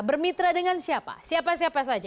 bermitra dengan siapa siapa siapa saja